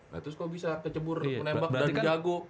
nah terus kok bisa kecebur menembak dan jago